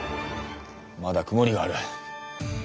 まだ曇りがある。